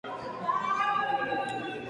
Mason fue criada en la ciudad de Chicago.